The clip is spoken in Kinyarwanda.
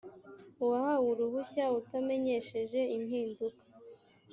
uwahawe uruhushya utamenyesheje impinduka